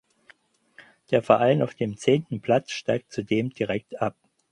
Der Verein auf dem zehnten Platz steigt zudem direkt ab.